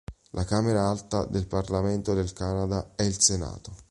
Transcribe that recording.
La Camera Alta del Parlamento del Canada è il Senato.